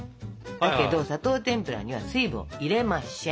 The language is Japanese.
だけど砂糖てんぷらには水分を入れましぇん。